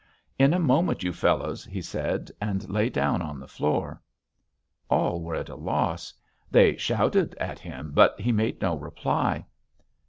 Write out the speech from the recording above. "In a moment, you fellows," he said and lay down on the floor. All were at a loss. They shouted at him but he made no reply.